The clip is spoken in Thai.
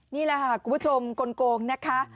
นี่ละค่ะกลุ่มผู้ชมคลนโกงนะคะ